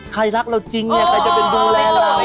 ใครรักเราจริงใครจะไปดูแลเรา